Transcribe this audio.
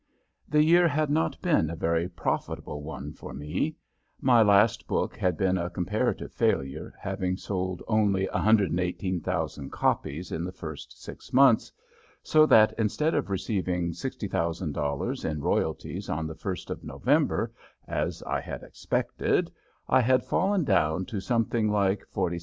The year had not been a very profitable one for me. My last book had been a comparative failure, having sold only 118,000 copies in the first six months, so that instead of receiving $60,000 in royalties on the first of November, as I had expected, I had fallen down to something like $47,000.